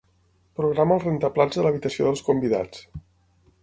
Programa el rentaplats de l'habitació dels convidats.